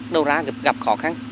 đâu ra gặp khó khăn